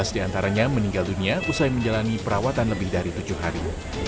tiga belas diantaranya meninggal dunia usai menjalani perawatan lebih dari tujuh hari